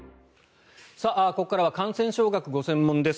ここからは感染症学がご専門です